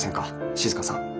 静さん。